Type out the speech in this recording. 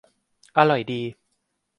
: อร่อยดี